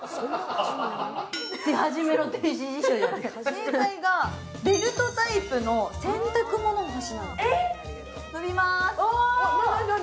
正解が、ベルトタイプの洗濯物干しなんです。